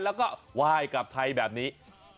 แล้วก็ว่ายกับไทยแบบนี้